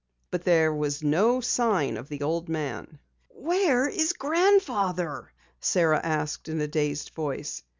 But there was no sign of the old man. "Where is grandfather?" Sara asked in a dazed voice.